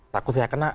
takut saya kena